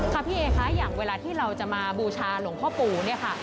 พี่เอคะอย่างเวลาที่เราจะมาบูชาหลวงพ่อปู่เนี่ยค่ะ